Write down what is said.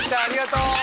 ありがとう！